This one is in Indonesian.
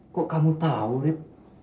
kok kamu tau rip